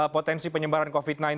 potensi penyebaran covid sembilan belas